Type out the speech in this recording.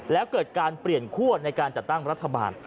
แล้วเกิดการเปลี่ยนคั่วในการจัดตั้งรัฐบาล